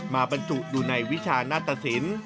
มาบรรถุดูในวิชานาฏศิลป์